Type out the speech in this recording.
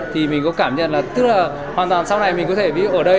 thì mình có cảm nhận là tức là hoàn toàn sau này mình có thể biết ở đây